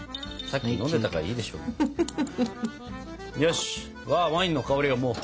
さっき飲んでたからいいでしょもう。